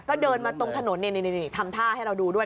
ก็เดินมาตรงถนนทำท่าให้เราดูด้วย